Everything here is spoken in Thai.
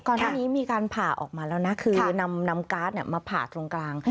ก่อนหน้านี้มีการผ่าออกมาแล้วนะคือนำการ์ดมาผ่าตรงกลาง